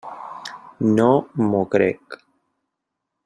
No m'ho crec.